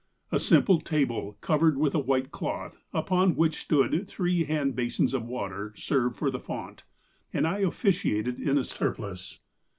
A simple table, covered with a white cloth, upon which stood three hand basins of water, served for the font, and I officiated in a sur plice.